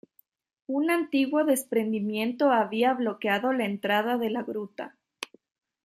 Un antiguo desprendimiento había bloqueado la entrada de la gruta.